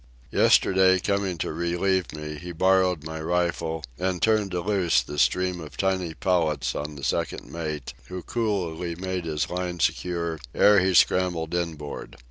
Yesterday, coming to relieve me, he borrowed my rifle and turned loose the stream of tiny pellets on the second mate, who coolly made his line secure ere he scrambled in board.